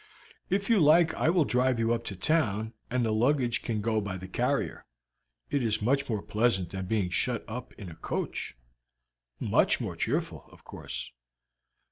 "If you like I will drive you up to town, and the luggage can go by the carrier; it is more pleasant than being shut up in a coach." "Much more cheerful, of course."